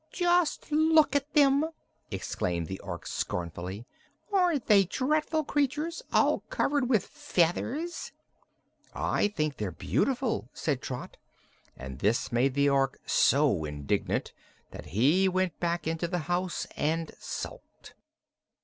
"Just look at them!" exclaimed the Ork scornfully. "Aren't they dreadful creatures, all covered with feathers?" "I think they're beautiful," said Trot, and this made the Ork so indignant that he went back into the house and sulked.